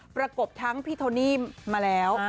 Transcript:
ประกบทั้งพี่โทนี่มาแล้ว